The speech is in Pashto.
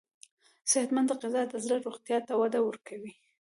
صحتمند غذا د زړه روغتیا ته وده ورکوي.